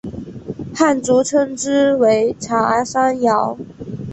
汉族称之为茶山瑶。